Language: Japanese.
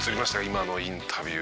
今のインタビュー。